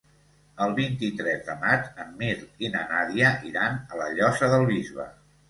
El vint-i-tres de maig en Mirt i na Nàdia iran a la Llosa del Bisbe.